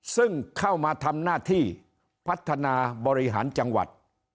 ซึ่งเข้ามาทำหน้าที่พัฒนาบริหารจังหวัด